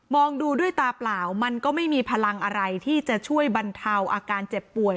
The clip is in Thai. องดูด้วยตาเปล่ามันก็ไม่มีพลังอะไรที่จะช่วยบรรเทาอาการเจ็บป่วย